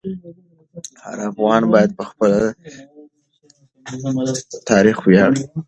هر افغان باید په خپل تاریخ وویاړي.